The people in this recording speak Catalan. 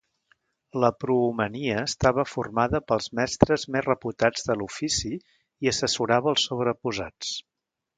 La prohomenia estava formada pels mestres més reputats de l'ofici i assessorava els sobreposats.